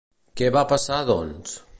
Què va passar doncs?